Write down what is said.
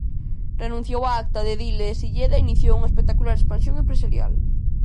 Renunciou á acta de edil en Silleda e iniciou unha espectacular expansión empresarial.